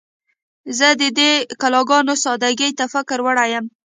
زه د دې ګلانو سادګۍ ته فکر وړی یم